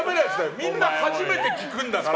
みんな初めて聞くんだから。